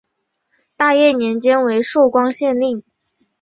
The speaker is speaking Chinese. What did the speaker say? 大业年间为寿光县令。